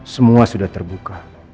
semua sudah terbuka